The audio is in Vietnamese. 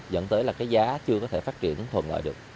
dẫn tới là cái giá chưa có thể phát triển thường lại được